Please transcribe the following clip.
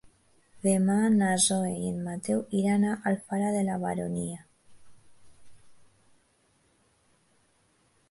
Demà na Zoè i en Mateu iran a Alfara de la Baronia.